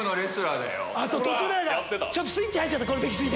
途中で何かちょっとスイッチ入っちゃった。